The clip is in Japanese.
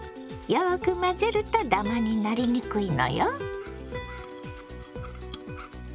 よく混ぜるとダマになりにくいのよ。